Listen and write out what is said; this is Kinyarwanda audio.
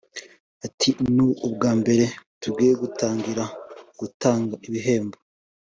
Ati “Ni ubwa mbere tugiye gutangira gutanga ibihembo